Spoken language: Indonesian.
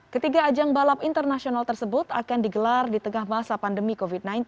ketiga ajang balap internasional tersebut akan digelar di tengah masa pandemi covid sembilan belas